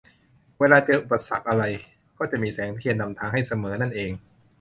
เวลาเจออุปสรรคอะไรก็จะมีแสงเทียนนำทางให้เสมอนั่นเอง